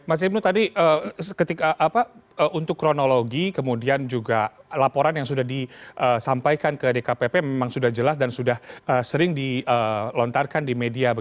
mas ibnu tadi untuk kronologi kemudian juga laporan yang sudah disampaikan ke dkpp memang sudah jelas dan sudah sering dilontarkan di media